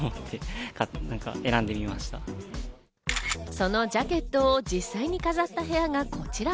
そのジャケットを実際に飾った部屋がこちら。